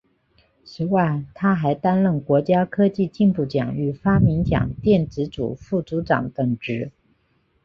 此外他还担任国家科技进步奖与发明奖电子组副组长等职。